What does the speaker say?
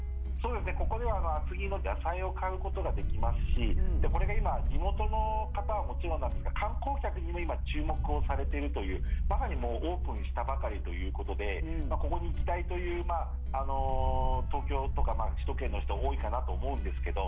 ここでは厚木の野菜を買うことができますしこれが今地元の方はもちろんなんですが観光客にも今、注目をされているというまさにもうオープンしたばかりということでここに行きたいという東京とか首都圏の人多いかなと思うんですけど。